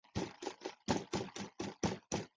李仁颜就是西夏太祖李继迁的曾祖父。